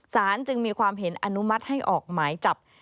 จึงมีความเห็นอนุมัติให้ออกหมายจับ